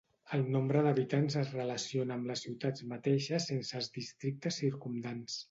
El nombre d'habitants es relaciona amb les ciutats mateixes sense els districtes circumdants.